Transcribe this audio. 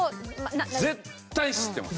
絶対知ってます。